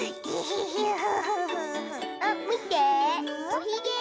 おひげ！